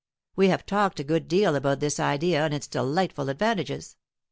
We have talked a good deal about this idea and its delightful advantages.